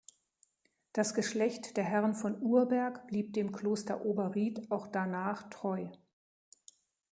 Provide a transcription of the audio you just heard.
Das Geschlecht der Herren von Urberg blieb dem Kloster Oberried auch danach treu.